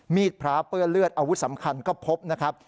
พระเปื้อนเลือดอาวุธสำคัญก็พบนะครับ